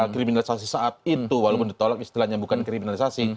kriminalisasi saat itu walaupun ditolak istilahnya bukan kriminalisasi